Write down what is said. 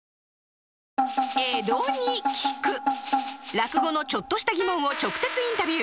落語のちょっとした疑問を直接インタビュー。